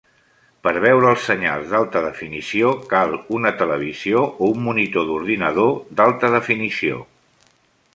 Per veure els senyals d'alta definició, cal una televisió o un monitor d'ordinador d'alta definició.